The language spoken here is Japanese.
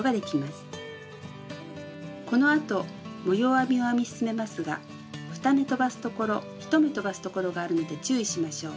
編みを編み進めますが２目とばすところ１目とばすところがあるので注意しましょう。